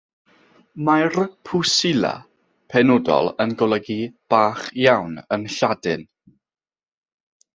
Mae'r “pusilla” penodol yn golygu “bach iawn” yn Lladin.